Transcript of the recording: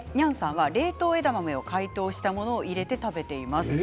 冷凍枝豆を解凍したものを入れて食べています。